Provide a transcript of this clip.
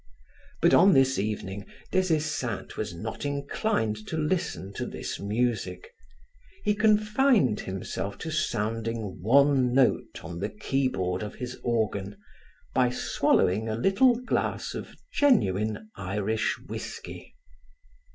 But on this evening Des Esseintes was not inclined to listen to this music. He confined himself to sounding one note on the keyboard of his organ, by swallowing a little glass of genuine Irish whiskey.